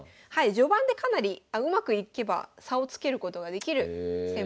序盤でかなりうまくいけば差をつけることができる戦法でございます。